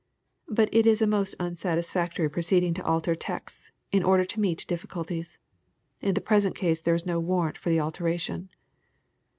But it is a most unsatisfactory proceeding to alter texts, in order to meet difficulties. In the present case there is no warrant for the alteration.